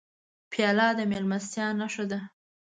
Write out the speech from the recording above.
پیاله د میلمستیا نښه ده.